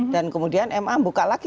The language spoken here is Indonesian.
dan kemudian ma buka lagi